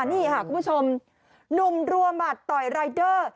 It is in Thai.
นี่ค่ะคุณผู้ชมหนุ่มรัวหมัดต่อยรายเดอร์